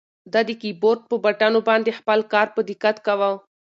ده د کیبورډ په بټنو باندې خپل کار په دقت کاوه.